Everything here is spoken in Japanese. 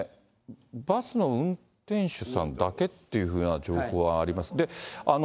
バスの運転手さんだけっていうふうな情報はあります。